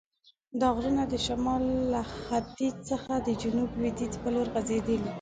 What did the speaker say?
دا غرونه د شمال له ختیځ څخه د جنوب لویدیځ په لور غزیدلي.